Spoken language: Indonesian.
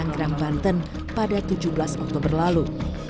di tangerang banten pada tujuh belas oktober lalu